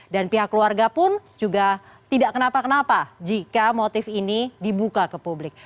dan pihak keluarga pun juga tidak kenapa kenapa jika motif ini dibuka ke publik